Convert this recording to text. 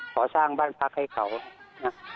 ขอสร้างบ้านพักให้เขานะ